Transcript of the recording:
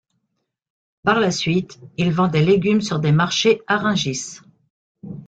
Par la suite, il vend des légumes sur des marchés à Rungis.